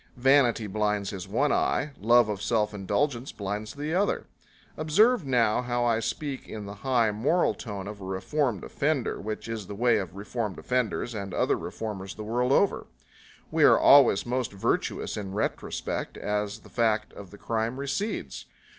Vanity blinds his one eye, love of self indulgence blinds the other. Observe now how I speak in the high moral tone of a reformed offender, which is the way of reformed offenders and other reformers the world over. We are always most virtuous in retrospect, as the fact of the crime recedes.